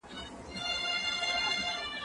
زه بايد زده کړه وکړم،